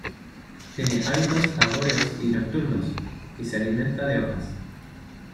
Tiene hábitos arbóreos y nocturnos, y se alimenta de hojas.